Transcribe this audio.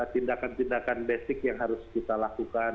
tindakan tindakan basic yang harus kita lakukan